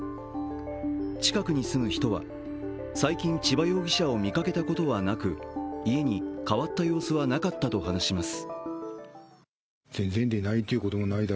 近くに住む人は、最近、千葉容疑者を見かけたことはなく家に変わった様子はなかったと話します。